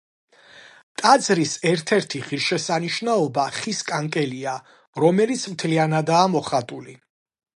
ტაძრის ერთ-ერთი ღირსშესანიშნაობა ხის კანკელია, რომელიც მთლიანადაა მოხატული.